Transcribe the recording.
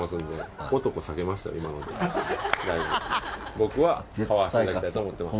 僕は買わせていただきたいと思ってます。